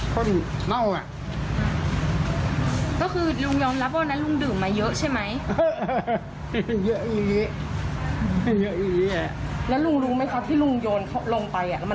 เชอมความทรงมั้ยหรือค่ะกับเหตุการณ์ที่เกิดขึ้น